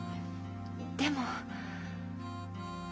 でも。